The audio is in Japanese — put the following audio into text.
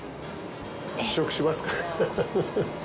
試食します？